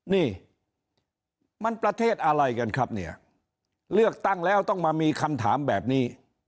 นี่มันประเทศอะไรกันครับเนี่ยเลือกตั้งแล้วต้องมามีคำถามแบบนี้